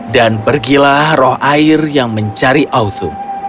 dan pergilah roh air yang mencari othum